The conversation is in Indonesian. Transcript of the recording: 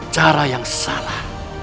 cara yang salah